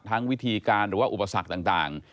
วิธีการหรือว่าอุปสรรคต่าง